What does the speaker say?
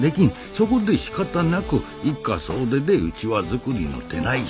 そこでしかたなく一家総出でうちわ作りの手内職。